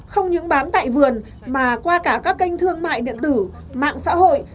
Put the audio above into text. không những bán tại vườn mà qua cả các kênh thương mại điện tử mạng xã hội